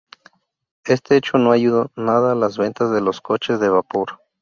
Este hecho no ayudó nada a las ventas de los coches de vapor.